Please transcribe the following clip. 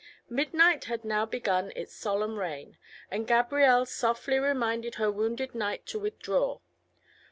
Midnight had now begun its solemn reign, and Gabrielle softly reminded her wounded knight to withdraw.